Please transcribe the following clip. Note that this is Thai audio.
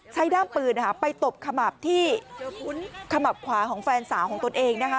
ด้ามปืนไปตบขมับที่ขมับขวาของแฟนสาวของตนเองนะคะ